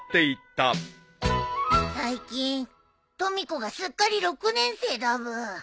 最近とみ子がすっかり６年生だブー。